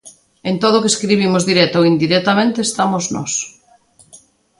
En todo o que escribimos, directa ou indirectamente, estamos nós.